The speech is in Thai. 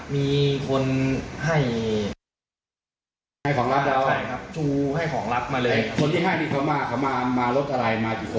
มีคนให้